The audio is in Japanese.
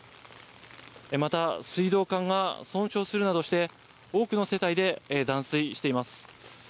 また、水道管が損傷するなどして、多くの世帯で断水しています。